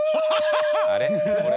あれ？